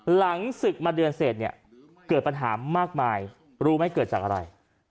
หลังศึกมาเดือนเสร็จเนี่ยเกิดปัญหามากมายรู้ไหมเกิดจากอะไร